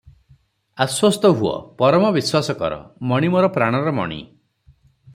ଆଶ୍ୱସ୍ତହୁଅ; ପରମ ବିଶ୍ୱାସ କର, ମଣି ମୋର ପ୍ରାଣର ମଣି ।"